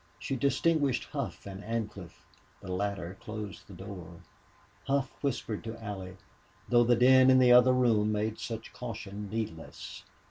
She distinguished Hough and Ancliffe. The latter closed the door. Hough whispered to Allie, though the din in the other room made such caution needless.